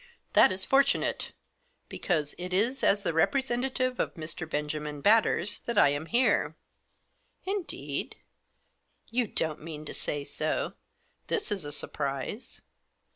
" That is fortunate ; because it is as the representative of Mr. Benjamin Batters that I am here." " Indeed ? You don't mean to say so, This is a surprise."